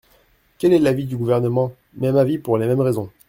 Quel est l’avis du Gouvernement ? Même avis pour les mêmes raisons.